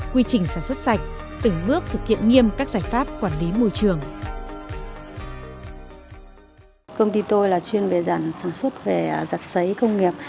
quy trình sản xuất sạch từng bước thực hiện nghiêm các giải pháp quản lý môi trường